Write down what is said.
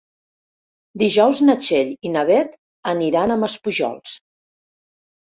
Dijous na Txell i na Beth aniran a Maspujols.